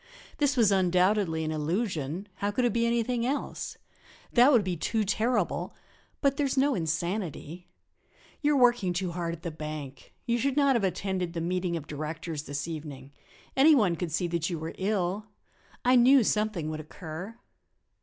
This was undoubtedly an illusion how should it be anything else? That would be too terrible! But there is no insanity; you are working too hard at the bank. You should not have attended the meeting of directors this evening; any one could see that you were ill; I knew something would occur."